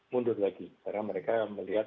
mundur lagi karena mereka melihat